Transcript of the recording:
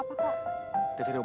a kagaknya berisik disitu